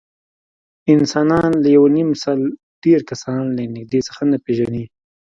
انسانان له یونیمسل ډېر کسان له نږدې څخه نه پېژني.